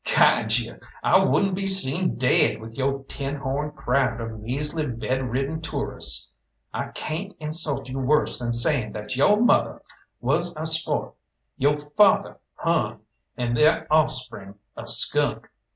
"Guide you? I wouldn't be seen daid with yo' tin horn crowd of measly, bedridden toorists. I cayn't insult you worse than saying that yo' mother was a sport, yo' father hung, and their offspring a skunk.